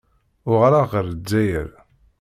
Uɣaleɣ ɣer Lezzayer.